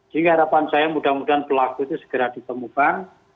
jadi harapan saya mudah mudahan pelaku itu segera ditemukan